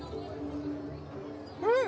うん！